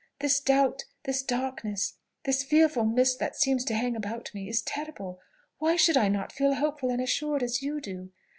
This doubt, this darkness, this fearful mist that seems to hang about me, is terrible. Why should I not feel hopeful and assured as you do?